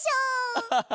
アハハ。